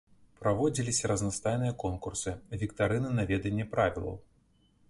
Праводзіліся разнастайныя конкурсы, віктарыны на веданне правілаў.